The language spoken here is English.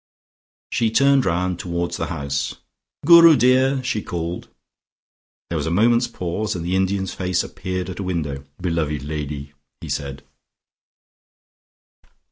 She turned round towards the house. "Guru, dear!" she called. There was a moment's pause, and the Indian's face appeared at a window. "Beloved lady!" he said.